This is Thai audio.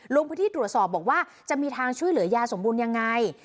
ลงพื้นที่ตรวจสอบบอกว่าจะมีทางช่วยเหลือยาสมบูรณ์ยังไง